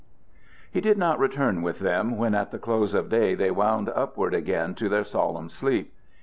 He did not return with them when at the close of day they wound upward again to their solemn sleep.